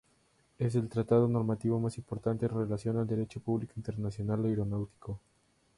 Es el tratado normativo más importante en relación al Derecho Público Internacional Aeronáutico.